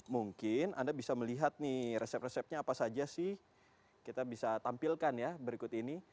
mungkin anda bisa melihat nih resep resepnya apa saja sih kita bisa tampilkan ya berikut ini